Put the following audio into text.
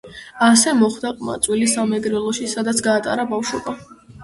ასე მოხვდა ყმაწვილი სამეგრელოში, სადაც გაატარა ბავშვობა.